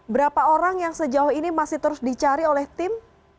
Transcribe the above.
berapa orang yang sejauh ini masih terus dicari oleh tim